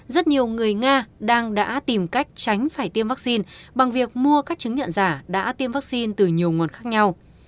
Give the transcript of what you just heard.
rất nhiều người nga đang đã tìm cách tránh phải tiêm vaccine bằng việc mua các chứng nhận giả đã tiêm vaccine từ nhiều nguồn khác nhau